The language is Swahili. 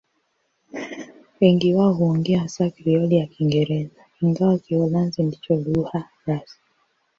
Wengi wao huongea hasa Krioli ya Kiingereza, ingawa Kiholanzi ndicho lugha rasmi.